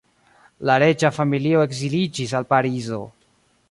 La reĝa familio ekziliĝis al Parizo.